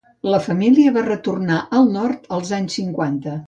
La família va retornar al nord als anys cinquanta.